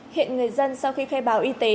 hiện người dân sau khi khai báo y tế